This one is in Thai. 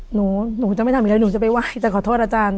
หนูจะไม่ทำอีกไรหนูจะไปไหว้จะขอโทษอาจารย์